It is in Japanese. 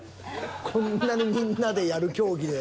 こんなにみんなでやる競技で。